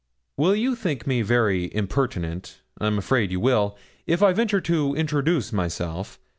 Will you think me very impertinent I'm afraid you will if I venture to introduce myself?